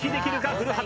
古畑